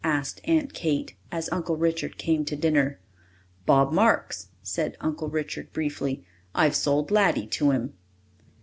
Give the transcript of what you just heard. asked Aunt Kate, as Uncle Richard came to dinner. "Bob Marks," said Uncle Richard briefly. "I've sold Laddie to him."